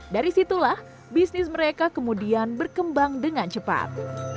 dari situlah bisnis mereka kemudian berkembang dengan cepat